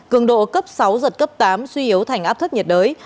cường độ cấp sáu giật cấp tám suy yếu thành áp thấp nhiệt đới